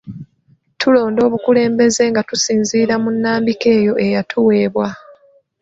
Tulonda obukulembeze nga tusinziira mu nnambika eyo eyatuweebwa